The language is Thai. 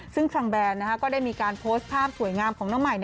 ซึ่งทางแบรนด์ก็ได้มีการโพสต์ภาพสวยงามของน้องใหม่